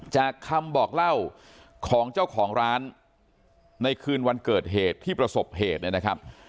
จากคำบอกเล่าของเจ้าของร้านในคืนวันเกิดเหตุที่ประสบเหตุเนี่ยนะครับ